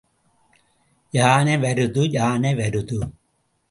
யானை வருது யானை வருது.